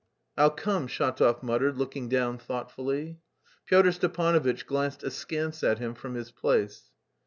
"I'll come," Shatov muttered, looking down thoughtfully. Pyotr Stepanovitch glanced askance at him from his place.